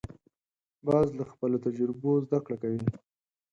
باز له خپلو تجربو زده کړه کوي